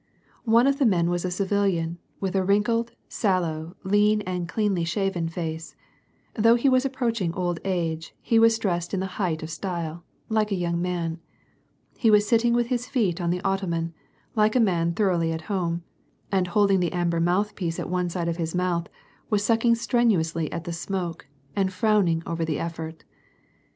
One of the men was a civilian, with a wrinkled, sallow, lean and cleanly shaven face ; though he was approaching old ap^o, he was dressed in the height of style, like a young man ; he was sitting with his feet on the ottoman, like a man thoroughly at home, and holding the amber mouthpiece at one side of his mouth was sucking strenuously at the smoke, and frowning over the effort.